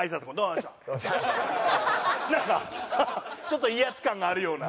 なんかちょっと威圧感があるような。